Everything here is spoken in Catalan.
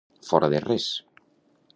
Fora de res.